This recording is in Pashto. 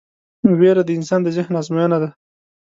وېره د انسان د ذهن ازموینه ده.